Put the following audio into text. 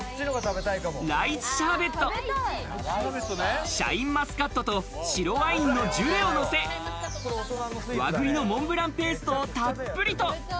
ライチシャーベット、シャインマスカットと白ワインのジュレをのせ、和栗のモンブランペーストをたっぷりと。